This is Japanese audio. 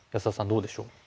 どうでしょう？